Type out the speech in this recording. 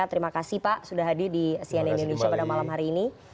terima kasih pak sudah hadir di cnn indonesia pada malam hari ini